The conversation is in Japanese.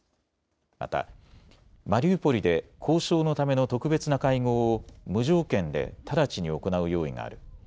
また、マリウポリで交渉のための特別な会合を無条件で直ちに行う用意がある。